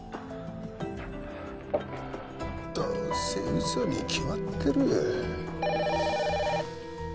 どうせ嘘に決まってる。